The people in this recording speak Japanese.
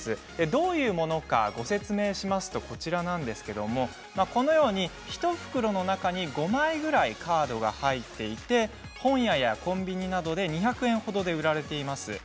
どういうものかご説明しますとこのように１袋の中に５枚ぐらいカードが入っていて本屋やコンビニなどで２００円程で売られています。